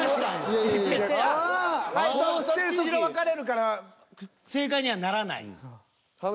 どっちにしろ分かれるから正解にはならないもん。